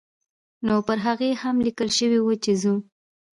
نو پر هغې هم لیکل شوي وو چې ځو.